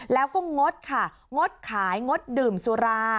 แล้วก็งดค่ะงดขายงดดื่มสุรา